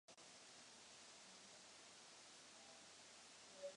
Samice klade vajíčka na květní lodyhy.